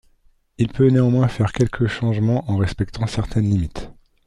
Il peut néanmoins faire quelques changements en respectant certaines limites.